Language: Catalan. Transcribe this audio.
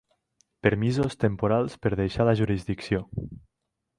Permisos temporals per deixar la jurisdicció.